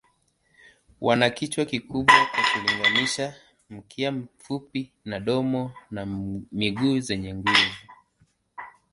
Wana kichwa kikubwa kwa kulinganisha, mkia mfupi na domo na miguu zenye nguvu.